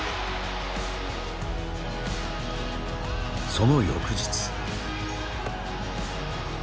その翌日。